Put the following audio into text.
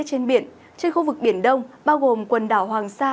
thời tiết trên biển trên khu vực biển đông bao gồm quần đảo hoàng sa